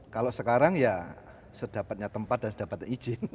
kalau sekarang ya sedapatnya tempat dan dapat izin